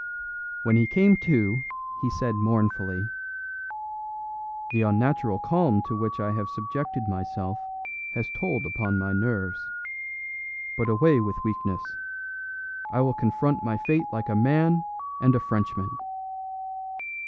When he came to, he said mournfully: "The unnatural calm to which I have subjected myself has told upon my nerves. But away with weakness! I will confront my fate like a man and a Frenchman."